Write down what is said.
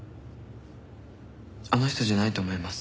あの人じゃないと思います。